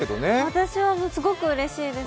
私はすごくうれしいです。